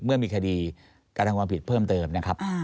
เมื่อมีคดีการทำความผิดเพิ่มเติมนะครับ